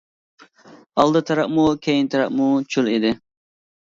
ئالدى تەرەپمۇ، كەينى تەرەپمۇ چۆل ئىدى.